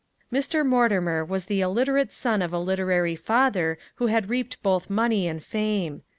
Mr. Mortimer was the illiterate son of a literary father who had reaped both money and fame.